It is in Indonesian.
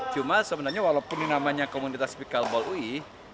cuma sebenarnya walaupun namanya komunitas pickleball ui